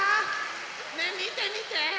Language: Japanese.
ねえみてみて！